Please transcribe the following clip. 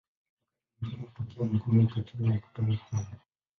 Wakati mwingine hutokea ngono katika mikutano haya.